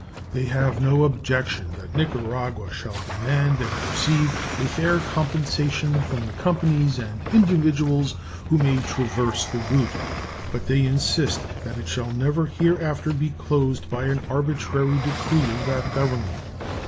They have no objection that Nicaragua shall demand and receive a fair compensation from the companies and individuals who may traverse the route, but they insist that it shall never hereafter be closed by an arbitrary decree of that Government.